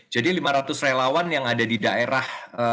jadi lima ratus relawan yang ada di daerah